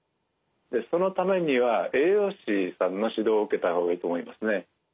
そのためには栄養士さんの指導を受けた方がいいと思いますね。